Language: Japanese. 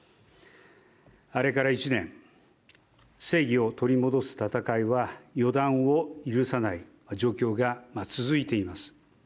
あれから１年、正義を取り戻す戦いは予断を許さない状況が続いています。